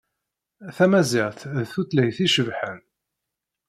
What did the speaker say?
Tamaziɣt d tutlayt icebḥen.